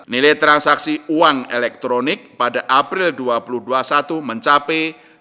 nilai transaksi uang elektronik pada april dua ribu dua puluh satu mencapai